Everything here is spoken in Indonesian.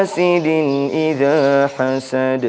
selamat malam pak ustadz